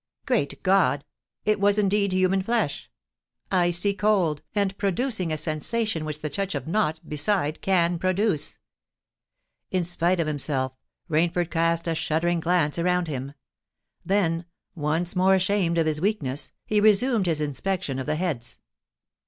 Great God! it was indeed human flesh,—icy cold, and producing a sensation which the touch of naught beside can produce! In spite of himself, Rainford cast a shuddering glance around him: then, once more ashamed of his weakness, he resumed his inspection of the heads.